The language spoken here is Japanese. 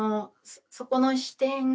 そこの視点